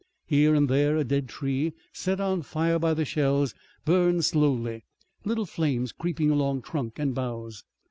Here and there a dead tree, set on fire by the shells, burned slowly, little flames creeping along trunk and boughs.